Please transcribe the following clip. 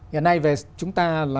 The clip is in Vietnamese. hiện nay về chúng ta là